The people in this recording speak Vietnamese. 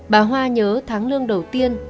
bà hoa nhớ tháng lương đầu tiên